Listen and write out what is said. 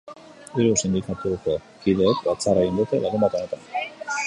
Hiru sindikatuko kideek batzarra egin dute larunbat honetan.